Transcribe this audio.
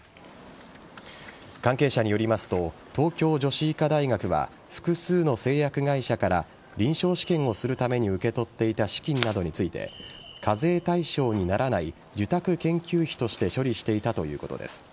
関係者によりますと東京女子医科大学は複数の製薬会社から臨床試験をするために受け取っていた資金などについて課税対象にならない受託研究費として処理していたということです。